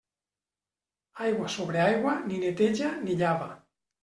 Aigua sobre aigua, ni neteja, ni llava.